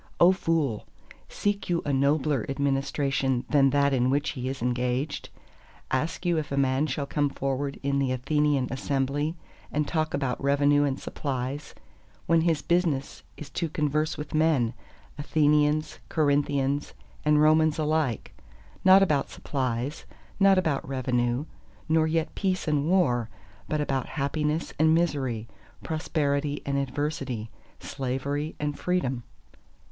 O fool, seek you a nobler administration that that in which he is engaged? Ask you if a man shall come forward in the Athenian assembly and talk about revenue and supplies, when his business is to converse with all men, Athenians, Corinthians, and Romans alike, not about supplies, not about revenue, nor yet peace and war, but about Happiness and Misery, Prosperity and Adversity, Slavery and Freedom?